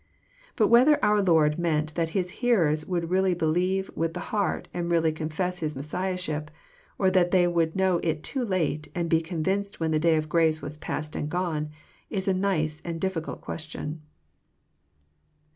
But whether our Lord meant that His hearers would really believe with the heart and really confess His Messiahship, or that they would know it too late and be convinced when the day of grace was past and gone, is a nice and difficult question.